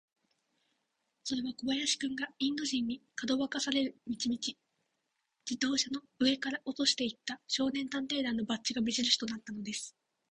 それは小林君が、インド人に、かどわかされる道々、自動車の上から落としていった、少年探偵団のバッジが目じるしとなったのです。